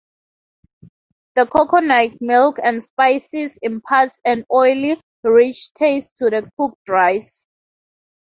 The coconut milk and spices imparts an oily, rich taste to the cooked rice.